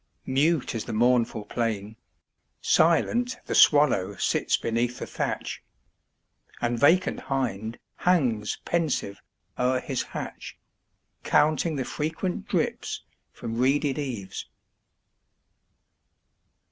Mute is the mournful plain; Silent the swallow sits beneath the thatch, And vacant hind hangs pensive o'er his hatch, Counting the frequent drips from reeded eaves.